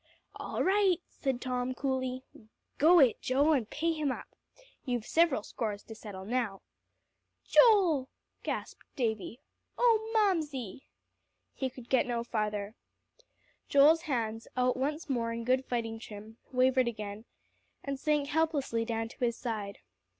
"All right," said Tom coolly. "Go it, Joe, and pay him up. You've several scores to settle now." "Joel," gasped Davie. "Oh Mamsie!" He could get no further. Joel's hands, out once more in good fighting trim, wavered again, and sank helplessly down to his side.